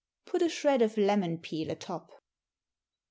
Put a shred of lemon peel atop.